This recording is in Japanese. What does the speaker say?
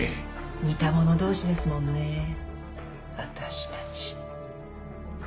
似た者同士ですもんねわたしたち。